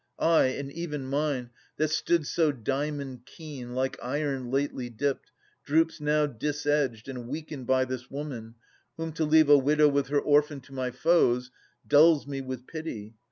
Ay, and even mine, that stood so diamond keen Like iron lately dipped, droops now dis edged And weakened by this woman, whom to leave A widow with her orphan to my foes. Dulls me with pity.